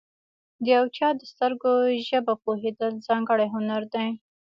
د یو چا د سترګو ژبه پوهېدل، ځانګړی هنر دی.